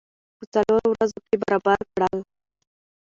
په څلورو ورځو کې برابر کړل.